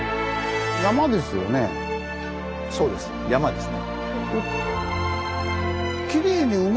そうです山ですね。